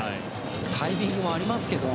タイミングもありますけど。